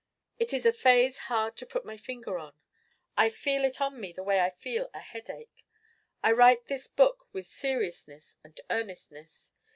It is a phase hard to put my finger on. I feel it on me the way I feel a headache. I write this book with seriousness and earnestness.